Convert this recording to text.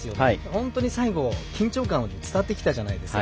本当に最後緊張感が伝わってきたじゃないですか。